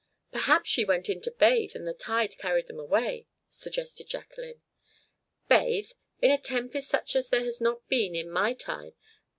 "Perhaps she went in to bathe, and the tide carried them away," suggested Jacqueline. "Bathe! In a tempest such as there has not been in my time!